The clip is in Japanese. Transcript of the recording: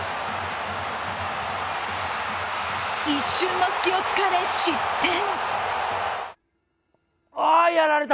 一瞬の隙を突かれ失点。